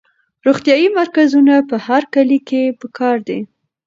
روغتیایي مرکزونه په هر کلي کې پکار دي.